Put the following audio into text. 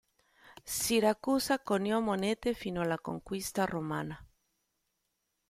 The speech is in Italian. Siracusa coniò monete fino alla conquista romana.